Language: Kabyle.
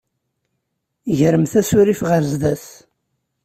Gremt asurif ɣer sdat.